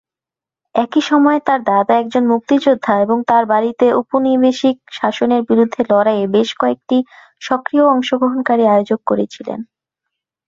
একই সময়ে, তার দাদা একজন মুক্তিযোদ্ধা এবং তাঁর বাড়িতে উপনিবেশিক শাসনের বিরুদ্ধে লড়াইয়ের বেশ কয়েকটি সক্রিয় অংশগ্রহণকারী আয়োজক করেছিলেন।